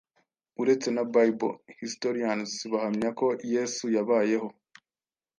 uretse na bible, historians bahamya ko yesu yabayeho,